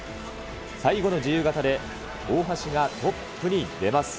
最後の自由形で、大橋がトップに出ます。